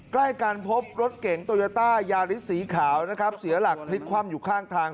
ใกล้กันพบรถเก๋งโตโยต้ายาริสสีขาวนะครับเสียหลักพลิกคว่ำอยู่ข้างทาง